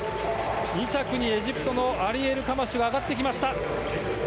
２着にエジプトのアリ・エルカマッシュが上がってきました。